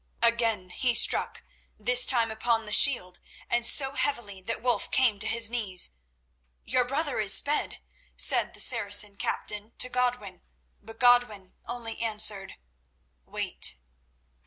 Again he struck, this time upon the shield, and so heavily that Wulf came to his knees. "Your brother is sped," said the Saracen captain to Godwin, but Godwin only answered: "Wait."